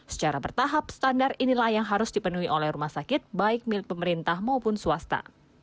secara bertahap standar inilah yang harus dipenuhi oleh rumah sakit baik milik pemerintah maupun swasta